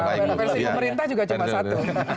kalau versi pemerintah juga cuma satu